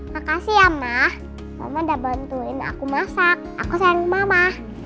makasih ya ma mama udah bantuin aku masak aku sayangin mama